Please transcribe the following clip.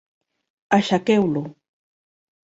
Aixequeu-lo.